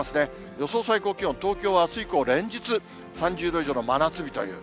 予想最高気温、東京はあす以降、連日、３０度以上の真夏日という。